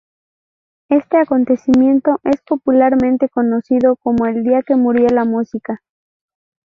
Este acontecimiento es popularmente conocido como El día que murió la música.